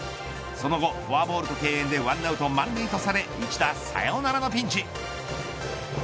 その後、フォアボールと敬遠で１アウト満塁とされ一打サヨナラのピンチ。